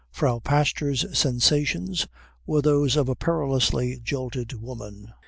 Frau Pastor's sensations were those of a perilously jolted woman.